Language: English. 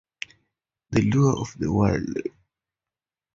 The lure of the wild.